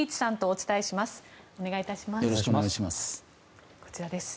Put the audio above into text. お願いいたします。